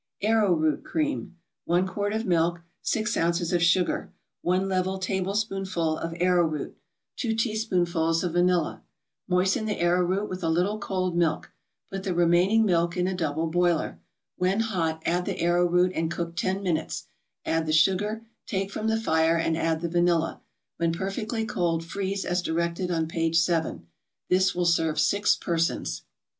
ARROWROOT CREAM 1 quart of milk 6 ounces of sugar 1 level tablespoonful of arrowroot 2 teaspoonfuls of vanilla Moisten the arrowroot with a little cold milk; put the remaining milk in a double boiler; when hot, add the arrowroot and cook ten minutes; add the sugar, take from the fire, and add the vanilla, When perfectly cold, freeze as directed on page 7. This will serve six persons.